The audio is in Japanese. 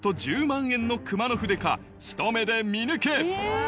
１０万円の熊野筆かひと目で見抜け！